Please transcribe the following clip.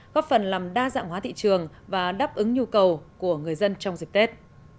góp phần làm đa dạng hóa thị trường và đáp ứng nhu cầu của người dân trong dịp tết